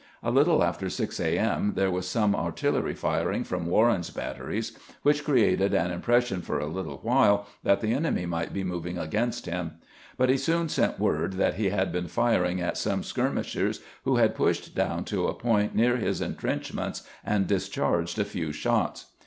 A little after 6 a. m. there was some artUlery firing from "Warren's batteries, which created an impression for a little while that the enemy might be moving against him ; but he soon sent word that he had been firing at some skirmishers who had pushed down to a point near his intrenchments and dis charged a few shots.